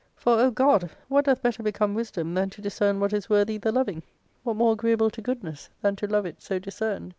For, O God ! what doth better become wisdom than to discern what is worthy the loving? What more agreeable to goodness than to love it so discerned?